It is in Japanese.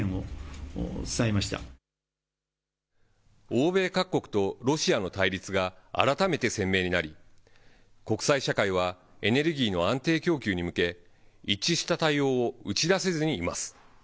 欧米各国とロシアの対立が改めて鮮明になり、国際社会はエネルギーの安定供給に向け、一致した対応を打ち出せずにいます。